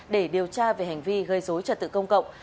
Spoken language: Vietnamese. để điều tra về hành vi gây dối trật tự công cộng